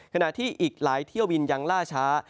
ขณะที่อีกหลายเที่ยวบินยังล่าช้า